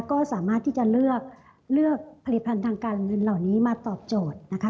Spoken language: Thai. ก็สามารถที่จะเลือกเลือกผลิตภัณฑ์ทางการเงินเหล่านี้มาตอบโจทย์นะคะ